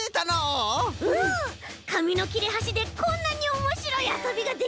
かみのきれはしでこんなにおもしろいあそびができるなんて！